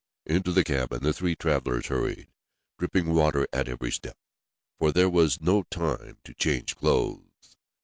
Into the cabin the three travelers hurried, dripping water at every step, for there was no time to change clothes.